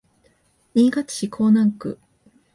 新潟市江南区